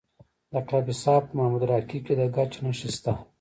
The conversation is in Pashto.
د کاپیسا په محمود راقي کې د ګچ نښې شته.